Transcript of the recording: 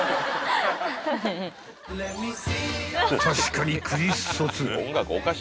［確かにクリソツ］